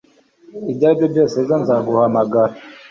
ibyo ari byo byose, ejo nzaguhamagara